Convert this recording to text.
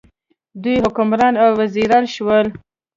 دوی حکمران او وزیران شول.